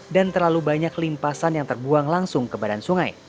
dan terlalu banyak kelimpasan yang terbuang langsung ke badan sungai